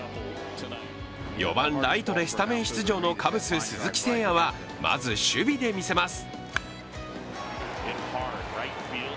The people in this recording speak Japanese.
４番・ライトでスタメン出場のカブス・鈴木誠也はまず守備で見せます。